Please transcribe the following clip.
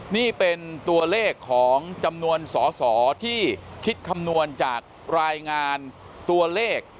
นี่เป็นตัวเลขของจำนวนสอสอที่คิดคำนวณจากรายงานตัวเลข